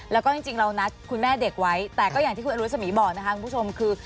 แล้วก็จริงเรานัดคุณแม่เด็กไว้แต่ก็อย่างที่คุณอรุษมีบอกนะคะคุณผู้ชมคือ